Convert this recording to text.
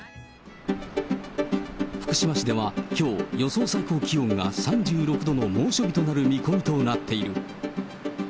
福島市ではきょう、予想最高気温が３６度の猛暑日となる見込みとなっている。